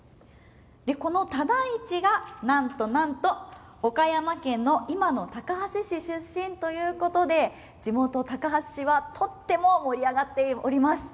この唯一が、なんとなんと岡山県の今の高梁市出身ということで地元・高梁市はとっても盛り上がっております。